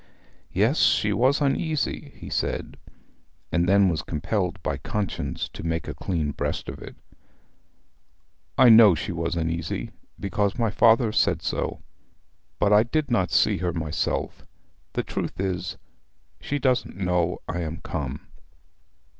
'Yes; she was uneasy,' he said; and then was compelled by conscience to make a clean breast of it. 'I know she was uneasy, because my father said so. But I did not see her myself. The truth is, she doesn't know I am come.'